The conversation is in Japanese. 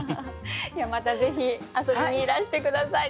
またぜひ遊びにいらして下さい。